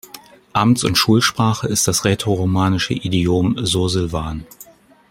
Amts- und Schulsprache ist das rätoromanische Idiom Sursilvan.